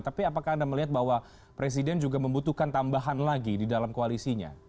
tapi apakah anda melihat bahwa presiden juga membutuhkan tambahan lagi di dalam koalisinya